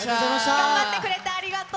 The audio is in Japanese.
頑張ってくれてありがとう。